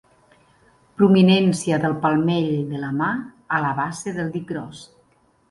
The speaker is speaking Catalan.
Prominència del palmell de la mà a la base del dit gros.